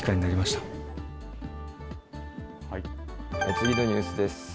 次のニュースです。